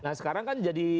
nah sekarang kan jadi